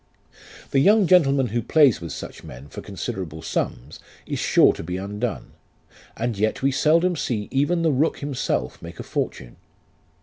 " The young gentleman who plays with such men for considerable sums, is sure to be undone, and yet we seldom see even the rook himself make a fortune.